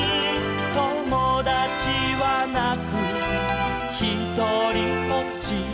「ともだちはなくひとりぽっち」